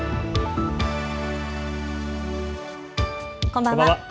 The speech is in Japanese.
こんばんは。